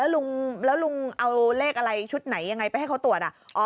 ลุงแล้วลุงเอาเลขชุดไหนยังไงไปให้เขาตรวจล่ะอ๋อ